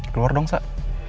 keluar dong zah